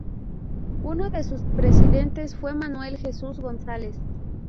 Uno de sus presidentes fue Manuel Jesús González.